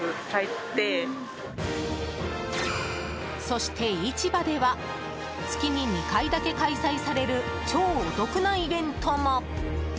そして市場では月に２回だけ開催される超お得なイベントも。